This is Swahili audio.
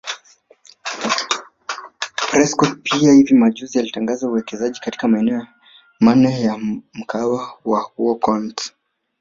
Prescott pia hivi majuzi alitangaza uwekezaji katika maeneo manne ya mkahawa wa WalkOns